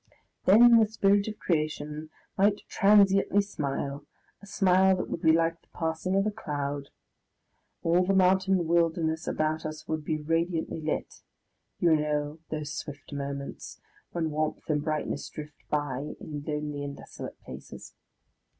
Then the Spirit of Creation might transiently smile, a smile that would be like the passing of a cloud. All the mountain wilderness about us would be radiantly lit. (You know those swift moments, when warmth and brightness drift by, in lonely and desolate places.)